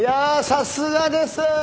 さすがです。